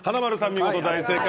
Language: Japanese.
見事大正解。